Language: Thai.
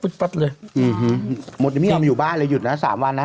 อื้อฮือไม่อยากมาอยู่บ้านเลยหยุดนะ๓วันนะ